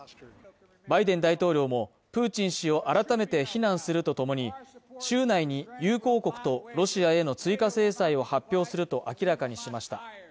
バイデン大統領もプーチン氏を改めて非難するとともに、週内に友好国とロシアへの追加制裁を発表すると明らかにしました。